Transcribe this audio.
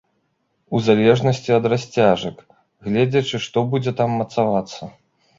У залежнасці ад расцяжак, гледзячы што будзе там мацавацца.